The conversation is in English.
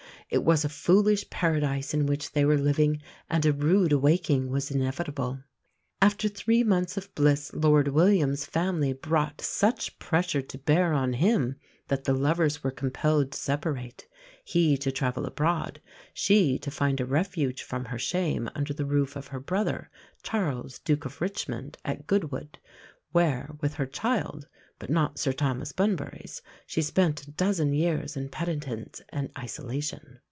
It was a foolish paradise in which they were living, and a rude awaking was inevitable. After three months of bliss Lord William's family brought such pressure to bear on him that the lovers were compelled to separate he to travel abroad, she to find a refuge from her shame under the roof of her brother, Charles, Duke of Richmond, at Goodwood, where, with her child (but not Sir Thomas Bunbury's), she spent a dozen years in penitence and isolation.